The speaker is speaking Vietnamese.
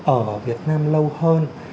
ở việt nam lâu hơn